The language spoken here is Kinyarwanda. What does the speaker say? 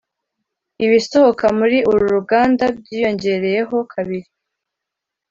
ibisohoka muri uru ruganda byiyongereyeho kabiri